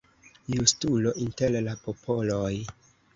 Justulo inter la popoloj.